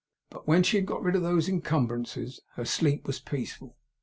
But when she had got rid of those incumbrances, her sleep was peaceful.